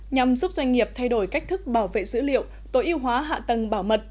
nhằm giúp doanh nghiệp thay đổi cách thức bảo vệ dữ liệu tối ưu hóa hạ tầng bảo mật